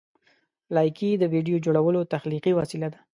لایکي د ویډیو جوړولو تخلیقي وسیله ده.